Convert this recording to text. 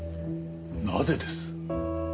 なぜです？